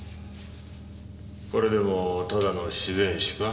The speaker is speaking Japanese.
これでもただの自然死か？